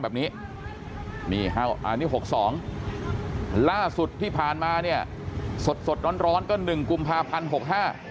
แบบนี้นี่ห้าวอันนี้๖๒ล่าสุดที่ผ่านมาเนี่ยสดร้อนก็๑กุมภาพันธ์